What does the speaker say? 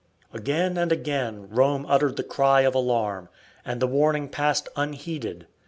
Again and again Rome uttered the cry of alarm, and the warning passed unheeded.